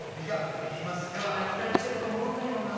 みんな期待してると思うんだよな。